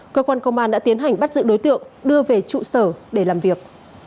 cơ quan công an đã tiến hành bắt giữ đối tượng đưa về trụ sở để làm việc